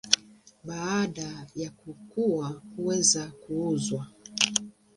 Baada ya kukua huweza kuuzwa.